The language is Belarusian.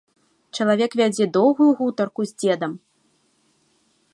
Чалавек вядзе доўгую гутарку з дзедам.